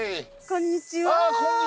こんにちは。